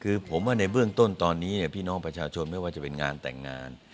คือผมว่าในเบื้องต้นตอนนี้พี่น้องประชาชนไม่ว่าจะเป็นงานแต่งงาน